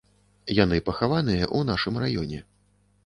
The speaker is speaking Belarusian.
Яны пахаваныя ў нашым раёне.